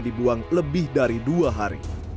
dibuang lebih dari dua hari